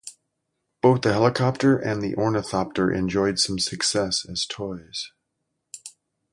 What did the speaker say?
Both the helicopter and the ornithopter enjoyed some success as toys.